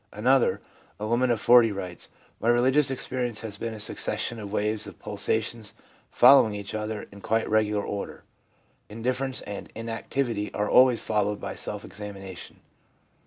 Another, a woman of 40, writes :' My religious ex perience has been a succession of waves or pulsations following each other in quite regular order. Indif ference and inactivity are always followed by self examination.